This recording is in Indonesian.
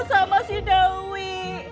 sama si dewi